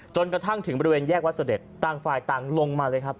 จนกระทั่งถึงบริเวณแยกวัดเสด็จต่างฝ่ายต่างลงมาเลยครับ